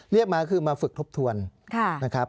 เรียกมาคือมาฝึกทบทวนนะครับ